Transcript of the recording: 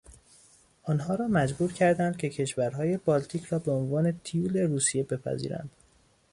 آنها را مجبور کردند که کشورهای بالتیک را به عنوان تیول روسیه بپذیرند.